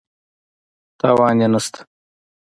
تاوان یې نه شته.